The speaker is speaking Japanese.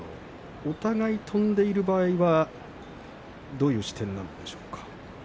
お互い飛んでいる場合はどういう視点なんでしょうか。